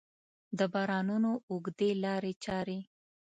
د بارانونو اوږدې لارې څارې